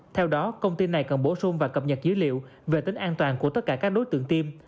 theo đó công ty này cần bổ sung và cập nhật dữ liệu về tính an toàn của tất cả các đối tượng tiêm